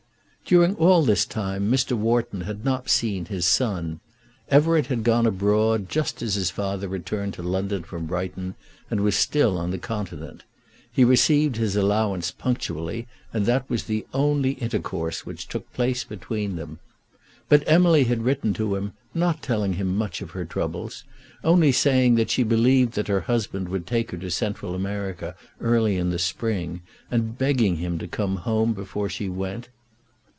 During all this time Mr. Wharton had not seen his son. Everett had gone abroad just as his father returned to London from Brighton, and was still on the continent. He received his allowance punctually, and that was the only intercourse which took place between them. But Emily had written to him, not telling him much of her troubles, only saying that she believed that her husband would take her to Central America early in the spring, and begging him to come home before she went.